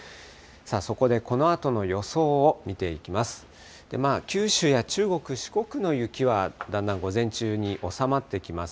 そこでこのあとの予想を見ていきます。